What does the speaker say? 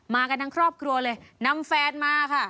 กันทั้งครอบครัวเลยนำแฟนมาค่ะ